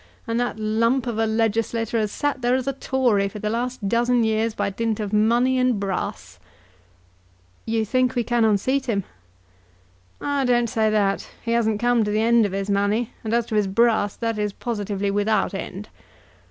And yet that lump of a legislator has sat there as a Tory for the last dozen years by dint of money and brass." "You think we can unseat him?" "I don't say that. He hasn't come to the end of his money, and as to his brass that is positively without end."